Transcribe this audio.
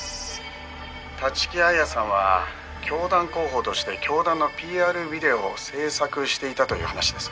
「立木彩さんは教団広報として教団のＰＲビデオを制作していたという話です」